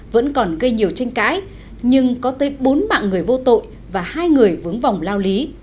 vẫn còn gây nhiều tranh cãi nhưng có tới bốn mạng người vô tội và hai người vướng vòng lao lý